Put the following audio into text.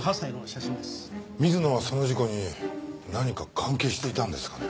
水野はその事故に何か関係していたんですかね？